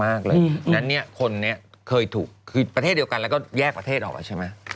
เพราะฉะนั้นเนี่ยคนนี้เคยถูกคือประเทศเดียวกันแล้วก็แยกประเทศออกแล้วใช่ไหม